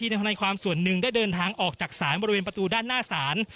ทนายความส่วนหนึ่งได้เดินทางออกจากศาลบริเวณประตูด้านหน้าศาล